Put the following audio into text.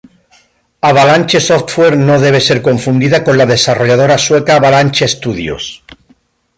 Avalanche Software no debe ser confundida con la desarrolladora sueca Avalanche Studios.